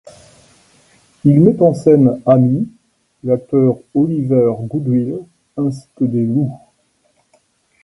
Il met en scène Amy, l'acteur Oliver Goodwill, ainsi que des loups.